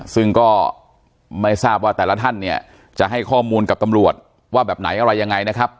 ซึ่งก็ไม่ทราบว่าแต่ละท่านเนี่ยจะให้ข้อมูลกับตำรวจว่าแบบไหนอะไรยังไงนะครับ